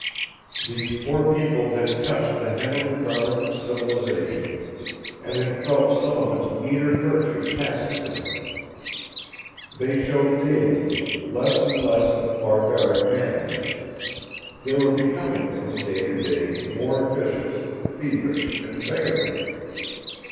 These poor people had touched the hem of the garment of civilization, and had felt some of its meaner virtue pass into them. They showed daily less and less of barbaric manliness; they were becoming from day to day more vicious, thievish, and beggarly.